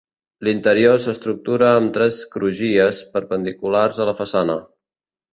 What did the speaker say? L'interior s'estructura amb tres crugies perpendiculars a la façana.